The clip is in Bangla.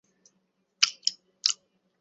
আমি আমার লোকদের পাঠিয়ে দেবো, প্লিজ।